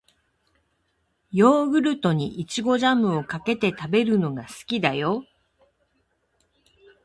ヨーグルトに、いちごジャムをかけて食べるのが好きだよ。